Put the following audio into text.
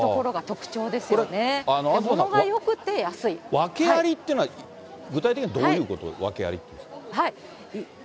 訳ありっていうのは、具体的にはどういうことを訳ありっていうんですか？